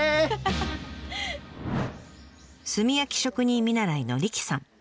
炭焼き職人見習いの理妃さん。